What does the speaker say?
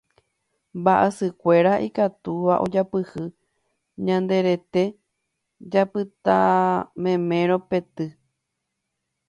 mba'asykuéra ikatúva ojapyhy ñande rete japitamemérõ petỹ